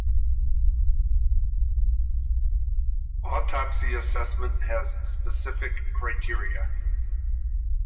Autopsy assessment has specific criteria.